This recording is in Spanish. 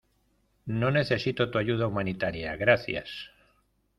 no necesito tu ayuda humanitaria, gracias.